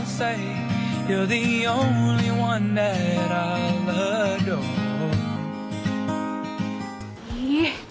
lumayan suue gak dr sih